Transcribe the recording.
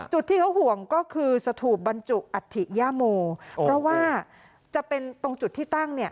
จุดที่เขาห่วงก็คือสถูปบรรจุอัฐิย่าโมเพราะว่าจะเป็นตรงจุดที่ตั้งเนี่ย